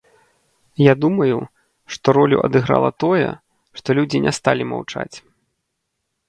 Я думаю, што ролю адыграла тое, што людзі не сталі маўчаць.